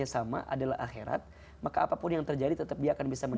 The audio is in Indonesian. setelah jadah yang satu ini